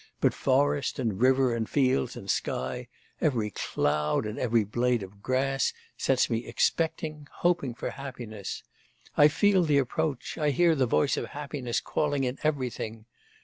But forest, and river, and fields, and sky, every cloud and every blade of grass sets me expecting, hoping for happiness, I feel the approach, I hear the voice of happiness calling in everything.